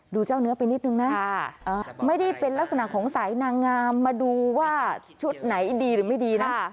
เจ้าเนื้อไปนิดนึงนะไม่ได้เป็นลักษณะของสายนางงามมาดูว่าชุดไหนดีหรือไม่ดีนะ